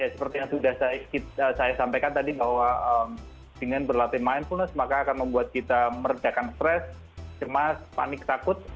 seperti yang sudah saya sampaikan tadi bahwa dengan berlatih mindfulness maka akan membuat kita meredakan stres cemas panik takut